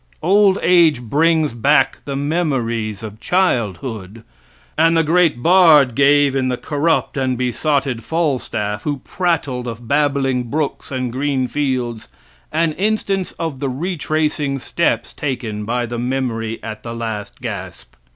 Old age brings back the memories of childhood. And the great bard gave in the corrupt and besotted Falstaff who prattled of babbling brooks and green fields an instance of the retracing steps taken by the memory at the last gasp.